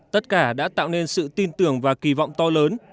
tất cả đã tạo nên sự tin tưởng và kỳ vọng to lớn